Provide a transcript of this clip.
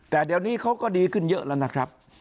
แต่เดี๋ยวนี้เขาก็ดีขึ้นเยอะแล้วนะครับ